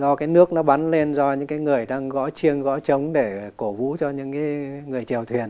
do cái nước nó bắn lên do những cái người đang gõ chiêng gõ trống để cổ vũ cho những người trèo thuyền